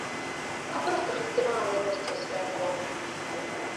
А проста гасцявала на вёсцы ў сваякоў.